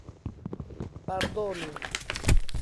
pardonu